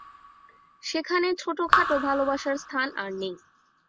সেখানে ছোটখাটো ভালবাসার স্থান আর নেই।